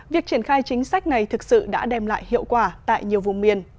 việc triển khai chính sách này thực sự đã đem lại hiệu quả tại nhiều vùng miền